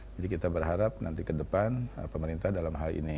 jadi kita berharap nanti ke depan pemerintah dalam hal ini